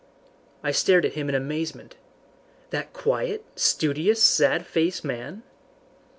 I stared at him in amazement. "What!" I cried, "that quiet, studious, sad faced man?"